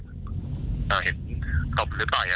ได้กำไรดี